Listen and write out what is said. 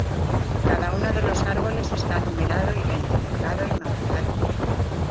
Cada uno de los árboles está numerado, identificado y mapeado.